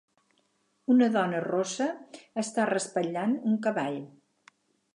Una dona rossa està raspallant un cavall.